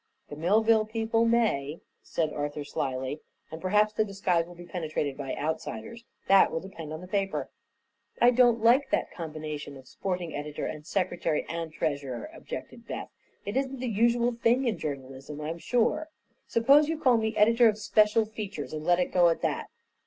"The Millville people may," said Arthur, slyly, "and perhaps the disguise will be penetrated by outsiders. That will depend on the paper." "I don't like that combination of sporting editor and secretary and treasurer," objected Beth. "It isn't the usual thing in journalism, I'm sure. Suppose you call me Editor of Special Features, and let it go at that?"